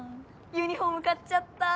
ユニフォーム買っちゃった！